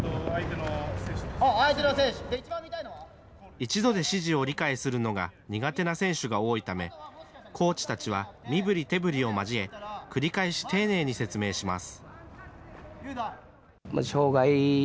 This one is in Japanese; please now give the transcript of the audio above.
一度で指示を理解するのが苦手な選手が多いため、コーチたちは身ぶり手ぶりを交え、繰り返し丁寧に説明します。